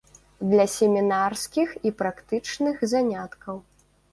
Для семінарскіх і практычных заняткаў.